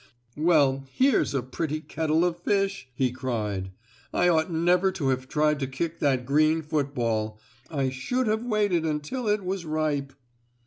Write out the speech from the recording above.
"Well, here's a pretty kettle of fish!" he cried. "I ought never to have tried to kick that green football. I should have waited until it was ripe."